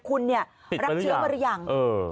คุณเนี่ยรับเชื้อมาหรือยัง